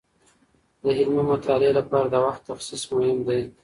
د علمي مطالعې لپاره د وخت تخصیص مهم دی.